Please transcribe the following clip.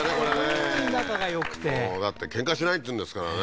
本当に仲がよくてだってケンカしないっていうんですからね